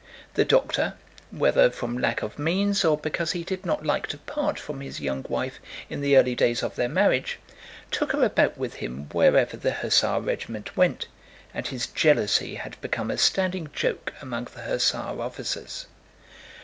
The doctor, whether from lack of means or because he did not like to part from his young wife in the early days of their marriage, took her about with him wherever the hussar regiment went and his jealousy had become a standing joke among the hussar officers.